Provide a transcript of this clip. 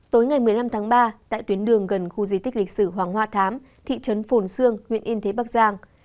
tối ngày một mươi năm tháng ba tại tuyến đường gần khu di tích lịch sử hoàng hoa thám thị trấn phồn xương huyện yên thế bắc giang